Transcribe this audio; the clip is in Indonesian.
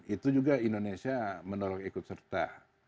itu juga indonesia mendorong ikut serta